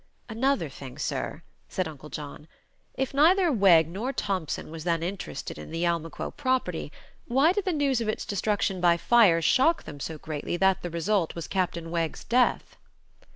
"Another thing, sir," said Uncle John. "If neither Wegg nor Thompson was then interested in the Almaquo property, why did the news of its destruction by fire shock them so greatly that the result was Captain Wegg's death?"